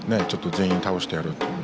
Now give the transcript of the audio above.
全員倒してやるという。